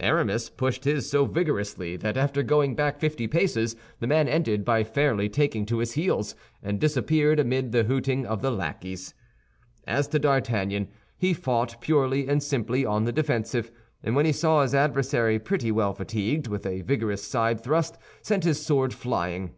Aramis pushed his so vigorously that after going back fifty paces, the man ended by fairly taking to his heels, and disappeared amid the hooting of the lackeys. As to D'Artagnan, he fought purely and simply on the defensive; and when he saw his adversary pretty well fatigued, with a vigorous side thrust sent his sword flying.